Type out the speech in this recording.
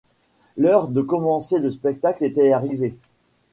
L'heure de commencer le spectacle était arrivée.